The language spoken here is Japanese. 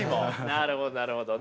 なるほどなるほどね。